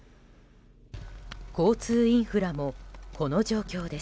交通インフラもこの状況です。